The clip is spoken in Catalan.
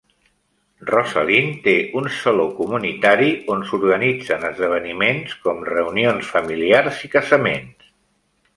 Rosalind té un saló comunitari on s'organitzen esdeveniments com reunions familiars i casaments.